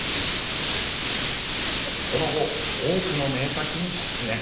その後、多くの名作に出演。